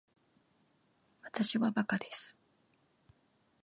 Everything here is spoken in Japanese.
わたしはバカです